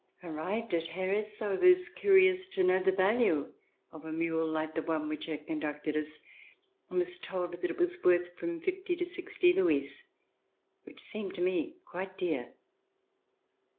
Arrived at Xeres, I was curious to know the value of a mule like the one which had conducted us and was told that it was worth from fifty to sixty louis, which seemed to me quite dear.